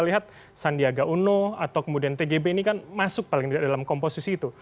lihat sandiaga uno atau kemudian tgb ini kan masuk paling tidak dalam komposisi itu